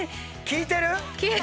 聞いてる！